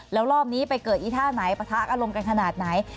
แล้วรอบนี้ไปเกิดอีท่าไหนปะทะอารมณ์กันขนาดไหน